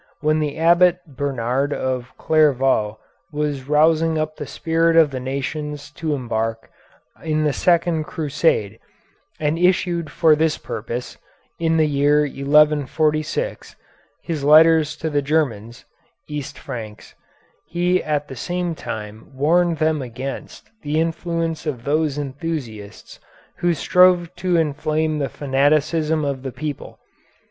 When the Abbot Bernard of Clairvaux was rousing up the spirit of the nations to embark in the second crusade, and issued for this purpose, in the year 1146, his letters to the Germans (East Franks), he at the same time warned them against the influence of those enthusiasts who strove to inflame the fanaticism of the people.